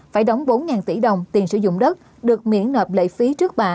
phải đóng bốn tỷ đồng tiền sử dụng đất được miễn nợ lệ phí trước bạ